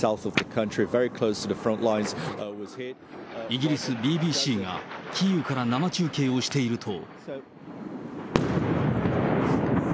イギリスＢＢＣがキーウから生中継をしていると。